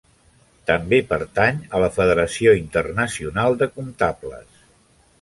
També pertany a la Federació Internacional de Comptables.